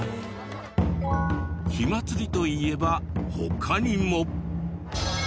火祭りといえば他にも。